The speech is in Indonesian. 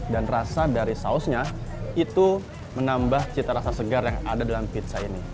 dan rasa dari sausnya itu menambah cita rasa segar yang ada dalam pizza ini